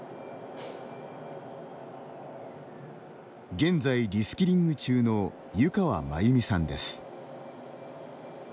現在リスキリング中の湯川真祐美さんです。